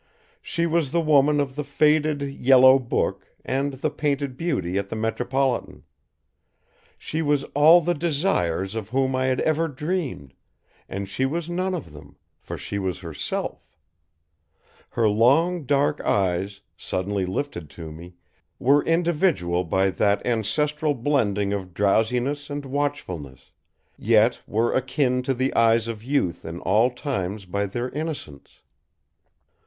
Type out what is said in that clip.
She was the woman of the faded, yellow book, and the painted beauty at the Metropolitan. She was all the Desires of whom I had ever dreamed; and she was none of them, for she was herself. Her long dark eyes, suddenly lifted to me, were individual by that ancestral blending of drowsiness with watchfulness; yet were akin to the eyes of youth in all times by their innocence.